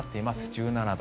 １７度。